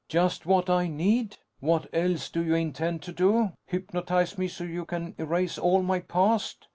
"Just what I need? What else do you intend to do? Hypnotize me, so you can erase all my past?"